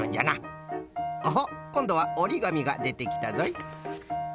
おっこんどはおりがみがでてきたぞい。